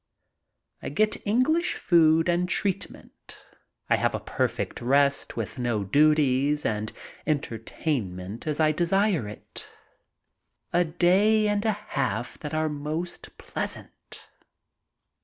I ^et English food and treatment. I have a perfect rest, with no duties, and entertainment as I desire it. A day and a half that are most pleasant